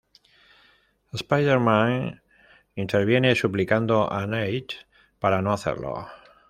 Spider-Man interviene, suplicando a Nate para no hacerlo.